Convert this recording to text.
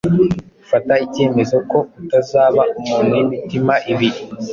Fata icyemezo ko utazaba umuntu w’imitima ibiri ;